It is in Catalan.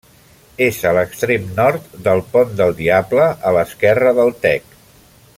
És a l'extrem nord del Pont del Diable, a l'esquerra del Tec.